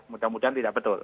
mudah mudahan tidak betul